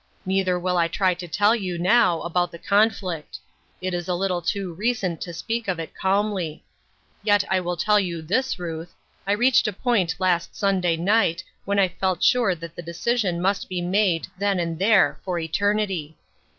Neither will I try to tell you now about the conflict. It is a little too recent to speak of it calmly. Yet I will tell you this, Ruth ; I reached a point last Sunday night when I felt sure that the decision must be made then and there, for eternity.